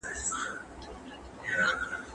څه به زر کلونه د خیالي رستم کیسه کوې